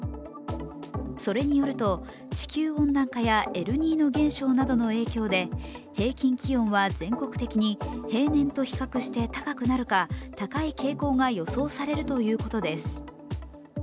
それによると、地球温暖化やエルニーニョ現象などの影響で平均気温は全国的に平年と比較して高くなるか高い傾向が予想されるということです。